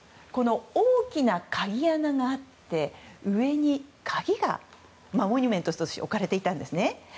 大きな鍵穴があって上に鍵がモニュメントとして置かれていたんですね。